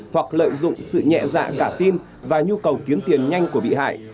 hoặc lợi dụng sự nhẹ dạ cả tin và nhu cầu kiếm tiền nhanh của bị hại